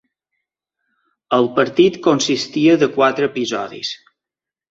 El partit consistia de quatre episodis.